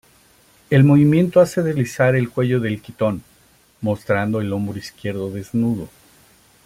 El movimiento hace deslizar el cuello del quitón, mostrando el hombro izquierdo desnudo.